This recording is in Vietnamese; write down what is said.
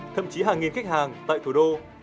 thậm chí hàng nghìn khách hàng tại thủ đô